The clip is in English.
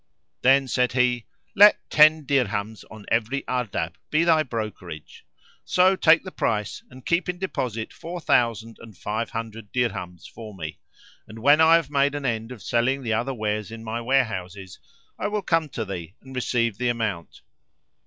Then said he, "Let ten dirhams on every Ardabb be thy brokerage; so take the price and keep in deposit four thousand and five hundred dirhams for me; and, when I have made an end of selling the other wares in my warehouses, I will come to thee and receive the amount."